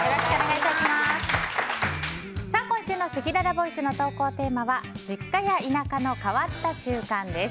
今週のせきららボイスの投稿テーマは実家や田舎の変わった習慣です。